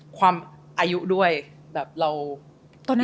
ความอายุด้วยในที่เรายังเด็ดอยู่